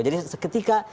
jadi ketika ancaman itu